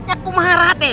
aduh gimana raden